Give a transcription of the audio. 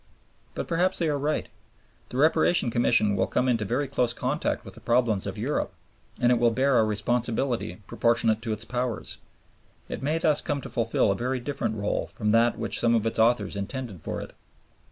But perhaps they are right. The Reparation Commission will come into very close contact with the problems of Europe; and it will bear a responsibility proportionate to its powers. It may thus come to fulfil a very different rÙle from that which some of its authors intended for it.